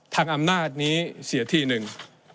ทางอำนาจนี้เสียทีหนึ่ง